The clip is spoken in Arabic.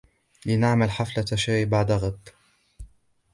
لنعمل حفلةَ شاي بعد غد.